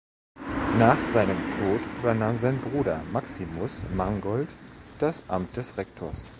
Nach seinem Tod übernahm sein Bruder Maximus Mangold das Amt des Rektors.